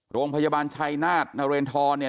โรงพยาบาลชัยนาธนเรนทรเนี่ย